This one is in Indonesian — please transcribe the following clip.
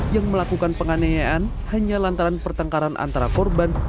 yang melakukan penganiayaan hanya lantaran pertengkaran antara korban